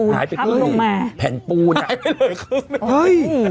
หายไปแล้วครึ่งอ่ะ